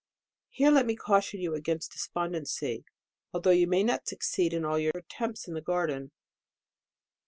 Here let me caution you against despon dency, although you may not succeed in all your attempts in the garden.